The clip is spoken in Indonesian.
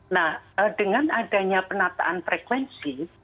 nah dengan adanya penataan frekuensi